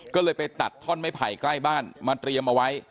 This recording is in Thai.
ก็เลยไปตัดท่อนไม้ไผ่ใกล้บ้านมาเตรียมเอาไว้